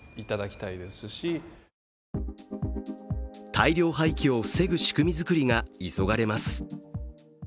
大量廃棄を防ぐ仕組み作りが急がれます。